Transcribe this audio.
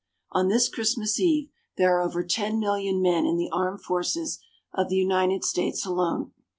On this Christmas Eve there are over 10,000,000 men in the armed forces of the United States alone.